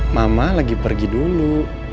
mama lagi pergi dulu